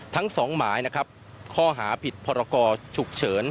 ทั้งสองหมายนะครับข้อหาผิดพรกรฉุกเฉิน